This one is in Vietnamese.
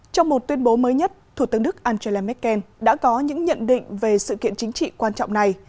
trong một tuyên bố mới nhất thủ tướng đức angela merkel đã có những nhận định về sự kiện chính trị quan trọng này